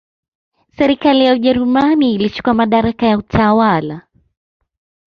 Serikali ya Ujerumani ilichukua madaraka ya utawala